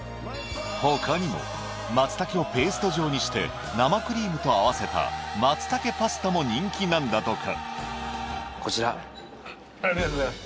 ほかにも松茸をペースト状にして生クリームと合わせた松茸パスタも人気なんだとかこちらありがとうございます